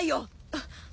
あっ。